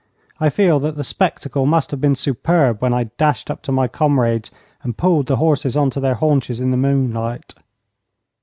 I feel that the spectacle must have been superb when I dashed up to my comrades and pulled the horses on to their haunches in the moonlight.